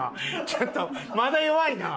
ちょっとまだ弱いな。